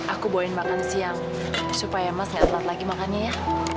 aku bawain makan siang supaya mas gak telat lagi makannya ya